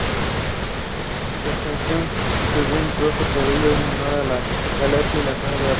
Su extensión, según Trogo Pompeyo, es menor que la Galia y la de África.